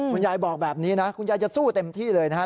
คุณยายบอกแบบนี้นะคุณยายจะสู้เต็มที่เลยนะฮะ